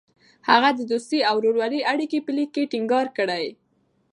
هغه د دوستۍ او ورورولۍ اړیکې په لیک کې ټینګار کړې.